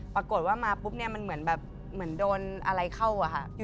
ปรากฏว่ามาปุ๊บมันเหมือนโดนอะไรเข้าค่ะ